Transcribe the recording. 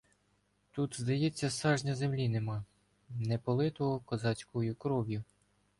Тут, здається, сажня землі нема, не политого козацькою кров'ю.